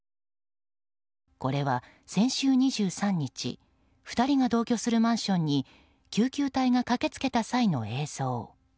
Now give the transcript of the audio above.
これは、先週２３日２人が同居するマンションに救急隊が駆け付けた際の映像。